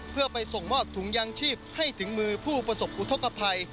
เพื่อไปส่งมอบถุงยางชีพให้ถึงมือผู้ประสบอุทธกภัย